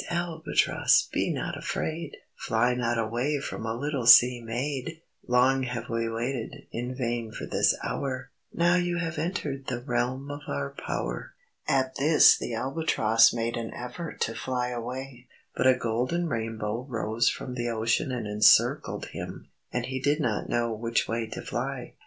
Albatross! Be not afraid, Fly not away From a little sea maid. Long have we waited In vain for this hour, Now you have entered The realm of our power." At this the Albatross made an effort to fly away. But a golden rainbow rose from the ocean and encircled him, and he did not know which way to fly.